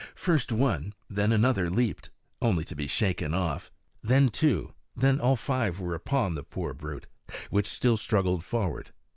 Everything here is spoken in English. First one, then another leaped, only to be shaken off; then two, then all five were upon the poor brute, which still struggled forward.